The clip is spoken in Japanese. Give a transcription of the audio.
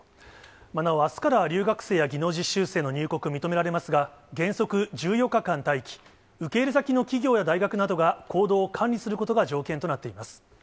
なお、あすから留学生や技能実習生の入国、認められますが、原則１４日間待機、受け入れ先の企業や大学などが行動を管理することが条件となっています。